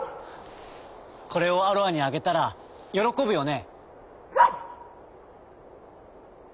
「これをアロアにあげたらよろこぶよね」。